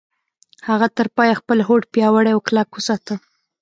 هغه تر پايه خپل هوډ پياوړی او کلک وساته.